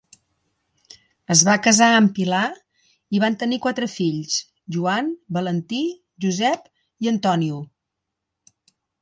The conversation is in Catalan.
Es va casar amb Pilar, i van tenir quatre fills, Joan, Valentí, Josep i Antonio.